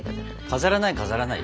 飾らない飾らない？